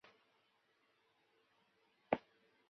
里斯托拉人口变化图示